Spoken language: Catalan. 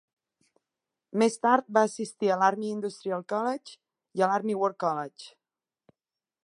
Més tard va assistir a l'Army Industrial College i a l'Army War College.